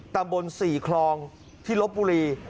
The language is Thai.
ตามบนสี่คลองที่ลบบุรี